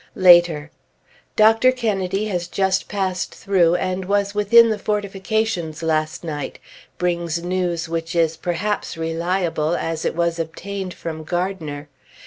Later. Dr. Kennedy has just passed through, and was within the fortifications last night; brings news which is perhaps reliable, as it was obtained from Gardiner.